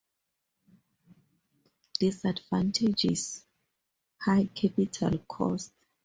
Disadvantages: High capital cost.